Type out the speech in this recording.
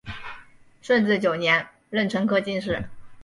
顺治九年壬辰科进士。